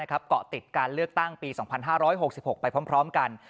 เกาะติดการเลือกตั้งปี๒๕๖๖ไปพร้อมกัน